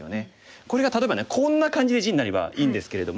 これが例えばこんな感じで地になればいいんですけれども。